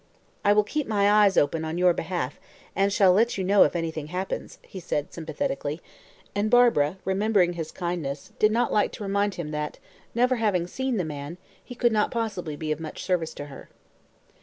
"I will keep my eyes open on your behalf, and shall let you know if anything happens," he said sympathetically; and Barbara, remembering his kindness, did not like to remind him that, never having seen the man, he could not possibly be of much service to her.